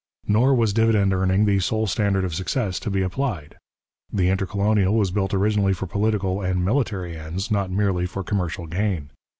Nor was dividend earning the sole standard of success to be applied. The Intercolonial was built originally for political and military ends, not merely for commercial gain.